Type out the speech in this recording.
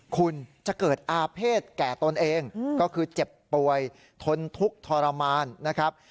คุณจะเกิดอาเภษแก่ตนเองก็คือเจ็บป่วยทนทุกข์ทรมานนะครับ